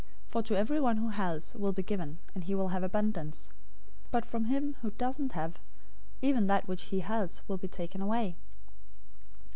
025:029 For to everyone who has will be given, and he will have abundance, but from him who doesn't have, even that which he has will be taken away.